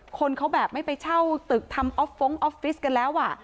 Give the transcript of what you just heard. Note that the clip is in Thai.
คนเขาแบบไม่ไปเช่าตึกทำออฟฟิศกันแล้วอ่ะ